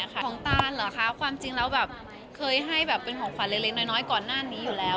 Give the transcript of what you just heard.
ของตานเหรอคะความจริงแล้วแบบเคยให้แบบเป็นของขวัญเล็กน้อยก่อนหน้านี้อยู่แล้ว